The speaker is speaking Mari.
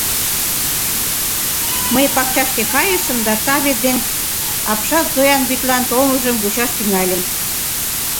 Мый пакчашке кайышым да таве дек апшат Зоян вӱдлан толмыжым вучаш тӱҥальым.